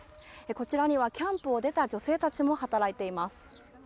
こちらには、キャンプを出た女性たちも働いています。